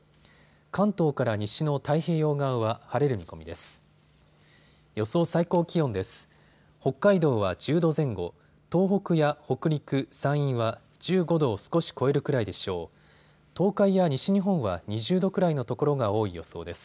関東から西の太平洋側は晴れる見込みです。